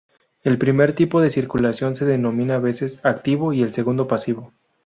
El primer tipo de circulación se denomina a veces "activo" y el segundo "pasivo".